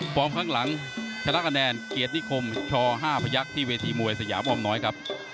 ข้างหลังชนะคะแนนเกียรตินิคมช๕พยักษ์ที่เวทีมวยสยามออมน้อยครับ